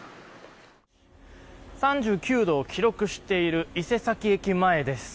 ３９度を記録している伊勢崎駅前です。